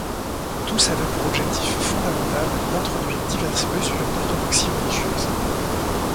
Tous avaient pour objectif fondamental d'introduire diverses mesures d'orthodoxie religieuse.